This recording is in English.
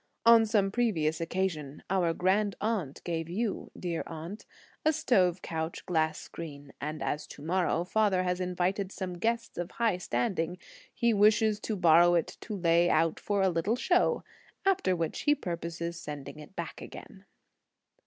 On some previous occasion, our grand aunt gave you, dear aunt, a stove couch glass screen, and as to morrow father has invited some guests of high standing, he wishes to borrow it to lay it out for a little show; after which he purposes sending it back again."